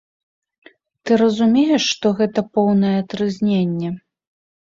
Ты разумееш, што гэта поўнае трызненне.